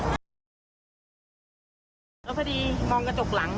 แล้วพอดีมองกระจกหลัง